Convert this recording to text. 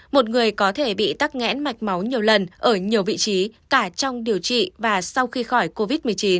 một người có thể bị tắc nghẽn mạch máu nhiều lần ở nhiều vị trí cả trong điều trị và sau khi khỏi covid một mươi chín